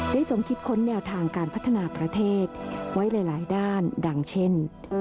สมคิดค้นแนวทางการพัฒนาประเทศไว้หลายด้านดังเช่น